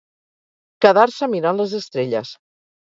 Quedar-se mirant les estrelles.